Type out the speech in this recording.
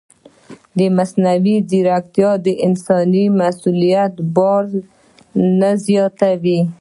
ایا مصنوعي ځیرکتیا د انساني مسؤلیت بار نه زیاتوي؟